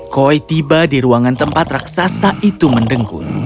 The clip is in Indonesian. koi tiba di ruangan tempat raksasa itu mendengkun